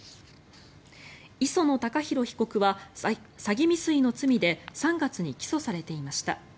磯野貴博被告は詐欺未遂の罪で３月に起訴されていました。